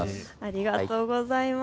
ありがとうございます。